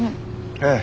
ええ。